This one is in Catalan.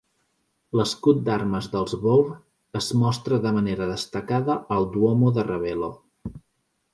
L'escut d'armes dels Bove es mostra de manera destacada al Duomo de Ravello.